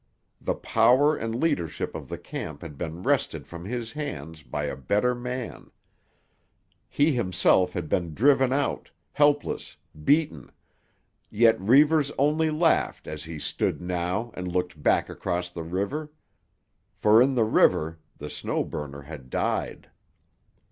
The power and leadership of the camp had been wrested from his hands by a better man; he himself had been driven out, helpless, beaten, yet Reivers only laughed as he stood now and looked back across the river. For in the river the Snow Burner had died.